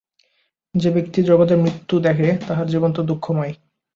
যে-ব্যক্তি জগতে মৃত্যু দেখে, তাহার জীবন তো দুঃখময়।